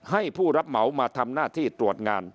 ผู้รับเหมามาทำหน้าที่ตรวจงาน